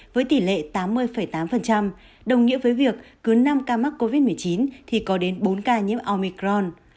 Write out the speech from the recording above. với tỷ lệ tám mươi tám đồng nghĩa với việc cứ năm ca mắc covid một mươi chín thì có đến bốn ca nhiễm omicron